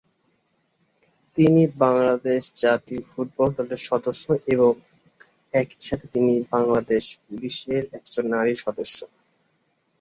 তিনি বাংলাদেশ জাতীয় ফুটবল দলের সদস্য এবং একই সঙ্গে তিনি বাংলাদেশ পুলিশের একজন নারী সদস্য।